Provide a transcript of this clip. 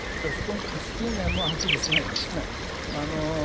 資金面もはっきりしないんですね。